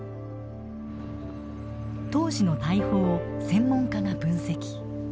当時の大砲を専門家が分析。